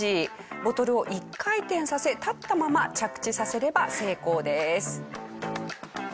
ボトルを１回転させ立ったまま着地させれば成功です。